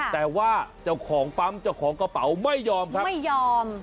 แต่ว่าเจ้าของปั๊มเจ้าของกระเป๋าไม่ยอมครับไม่ยอม